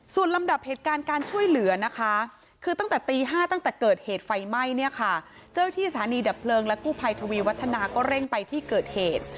ส่วนลำดับเหตุการณ์การช่วยเหลือนะคะคือตั้งแต่ตี๕ตั้งแต่เกิดเหตุไฟไหม้เนี่ยค่ะเจ้าที่สถานีดับเพลิงและกู้ภัยทวีวัฒนาก็เร่งไปที่เกิดเหตุ